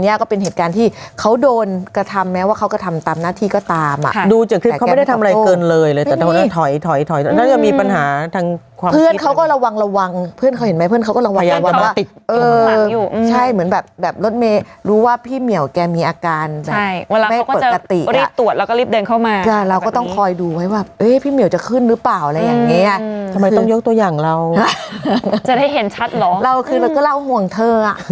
เลยเลยแต่ถอยมีปัญหาทั้งความคิดเพื่อนเขาก็ระวังเพื่อนเขาเห็นไหมเพื่อนเขาก็ระวังว่าใช่เหมือนแบบแบบรถเมล์รู้ว่าพี่เหมียวแกมีอาการแบบไม่ปกติก็ได้ตรวจแล้วก็รีบเดินเข้ามาเราก็ต้องคอยดูไว้ว่าพี่เหมียวจะขึ้นหรือเปล่าอะไรอย่างนี้ทำไมต้องยกตัวอย่างเราจะได้เห็นชัดหรอเราก็เล่าว่าห่วงเ